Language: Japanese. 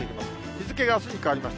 日付があすに変わりました。